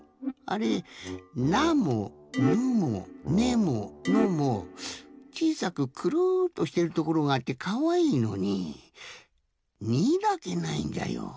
あれ「な」も「ぬ」も「ね」も「の」もちいさくくるっとしてるところがあってかわいいのに「に」だけないんじゃよ。